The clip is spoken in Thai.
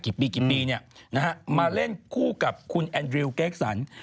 กี่ปีเนี่ยนะฮะมาเล่นคู่กับคุณแอนดริวเกคสัน